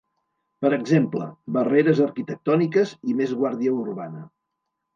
Per exemple: barreres arquitectòniques i més guàrdia urbana.